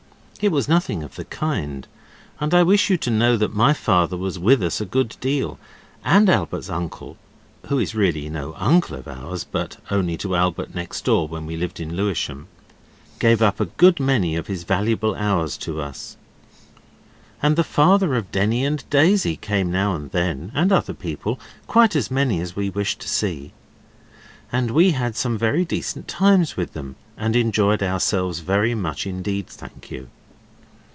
It was nothing of the kind, and I wish you to know that my father was with us a good deal and Albert's uncle (who is really no uncle of ours, but only of Albert next door when we lived in Lewisham) gave up a good many of his valuable hours to us. And the father of Denny and Daisy came now and then, and other people, quite as many as we wished to see. And we had some very decent times with them; and enjoyed ourselves very much indeed, thank you.